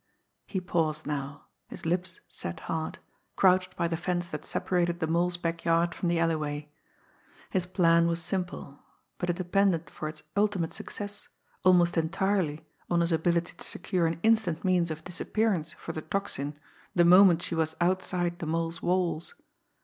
He paused now, his lips set hard, crouched by the fence that separated the Mole's backyard from the alleyway. His plan was simple; but it depended for its ultimate success almost entirely on his ability to secure an instant means of disappearance for the Tocsin the moment she was outside the Mole's walls.